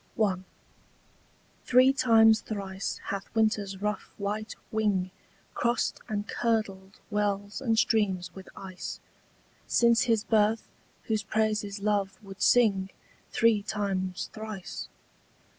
THREE times thrice hath winter's rough white wing Crossed and curdled wells and streams with ice Since his birth whose praises love would sing Three times thrice.